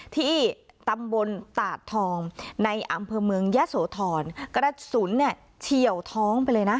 ที่ตำบลตาดทองในอำเภอเมืองยะโสธรกระสุนเนี่ยเฉียวท้องไปเลยนะ